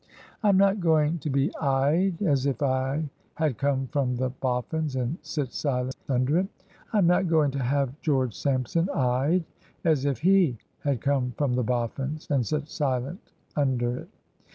... I am not going to be eyed as if I had come from the Boffins', and sit silent under it. I am not going to have George Sampson eyed as if /te had come from the Bof fins', and sit silent under it.